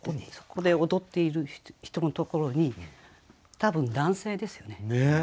そこで踊っている人のところに多分男性ですよね。